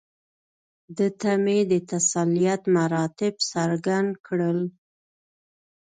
ده ته مې د تسلیت مراتب څرګند کړل.